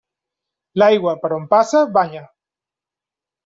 L'aigua, per on passa, banya.